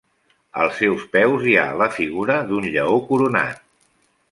Als seus peus hi ha la figura d'un lleó coronat.